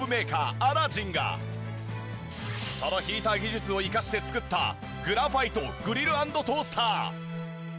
そのヒーター技術を生かして作ったグラファイトグリル＆トースター。